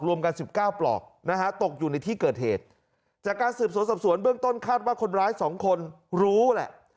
กันสิบเก้าปลอกนะฮะตกอยู่ในที่เกิดเหตุจากการสืบสวนสอบสวนเบื้องต้นคาดว่าคนร้ายสองคนรู้แหละ